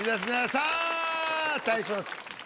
さあ対します